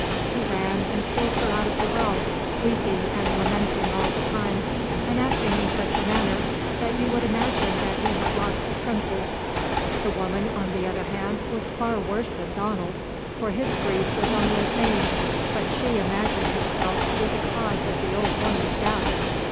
He ran and pulled her out of the well, weeping and lamenting all the time, and acting in such a manner that you would imagine that he had lost his senses. The woman, on the other hand, was far worse than Donald, for his grief was only feigned, but she imagined herself to be the cause of the old woman's death.